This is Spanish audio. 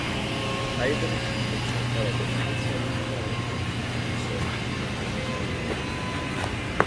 Haydn exaltaba profusamente a Mozart, sin celos, ante sus amigos.